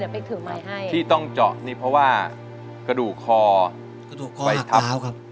ทีนี้ก็ต้องจอเพราะว่ากระดูกคออุดเพราะว่ากระดูกคอออกแล้วครับ